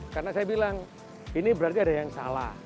karena saya bilang ini berarti ada yang salah